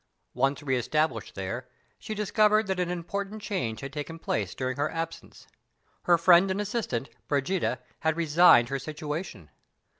Once re established there, she discovered that an important change had taken place during her absence. Her friend and assistant, Brigida, had resigned her situation.